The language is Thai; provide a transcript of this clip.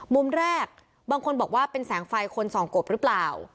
มุมแรกบางคนบอกว่าเป็นแสงไฟคนส่องกบหรือเปล่า